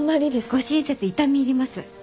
ご親切痛み入ります。